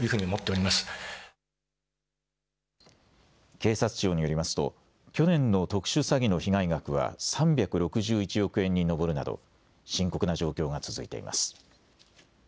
警察庁によりますと去年の特殊詐欺の被害額は３６１億円に上るなど深刻な状況が続いています。